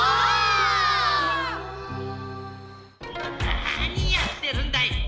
何やってるんだい！